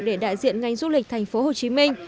để đại diện ngành du lịch thành phố hồ chí minh